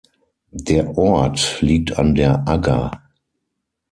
Der Ort liegt an der Agger.